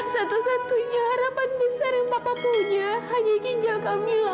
satu satunya harapan besar yang bapak punya hanya ginjal kamila